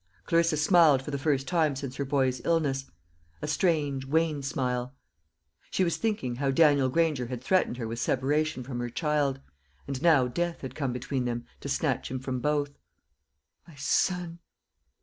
Clarissa smiled for the first time since her boy's illness a strange wan smile. She was thinking how Daniel Granger had threatened her with separation from her child; and now Death had come between them to snatch him from both. "My son!"